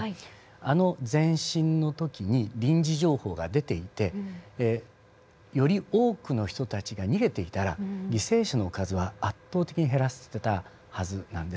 あの前震の時に臨時情報が出ていてより多くの人たちが逃げていたら犠牲者の数は圧倒的に減らせたはずなんです。